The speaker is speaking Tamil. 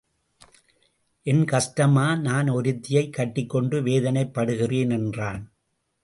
ஏன் கஷ்டமா? நான் ஒருத்தியைக் கட்டிக்கொண்டு வேதனைப் படுகிறேன் என்றான்.